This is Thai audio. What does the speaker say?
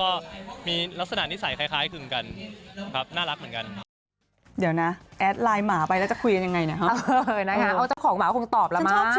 ก็มีลักษณะนิสัยคล้ายคือกันครับ